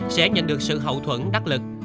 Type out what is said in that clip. sẽ nhận được sự hậu thuẫn đắc lực